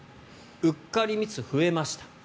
うっかりミスが増えました。